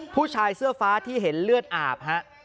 ผู้ชายเสื้อฟ้าที่เห็นเลือดอาบฮะ